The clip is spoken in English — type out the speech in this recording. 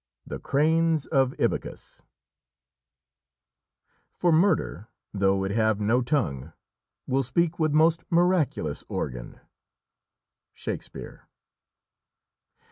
THE CRANES OF IBYCUS "For murder, though it have no tongue, will speak With most miraculous organ." Shakespeare.